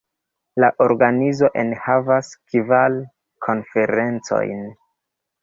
La organizo enhavas kvar konferencojn.